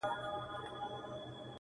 نه له درملو نه توري تښتې،